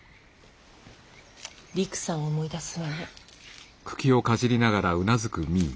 りくさんを思い出すわね。